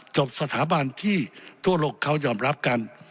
จบสถาบันที่ทั่วโลกเขายอมรับกัน